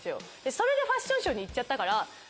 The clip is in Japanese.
それでファッションショーに行っちゃったから。